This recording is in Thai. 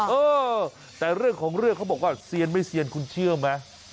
เออแต่เรื่องของเรื่องเขาบอกว่าเซียนไม่เซียนคุณเชื่อไหม